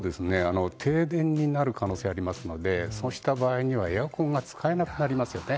停電になる可能性がありますのでそうした場合にはエアコンが使えなくなりますよね。